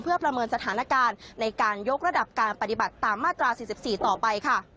เพื่อประเมินสถานการณ์ในการยกระดับการปฏิบัติตามมาตรา๔๔ต่อไปค่ะ